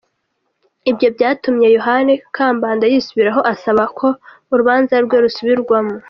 Ibyo byatumye Yohani Kambanda yisubiraho asaba ko urubanza rwe rusubirwamo.